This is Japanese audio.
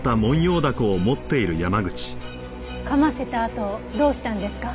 噛ませたあとどうしたんですか？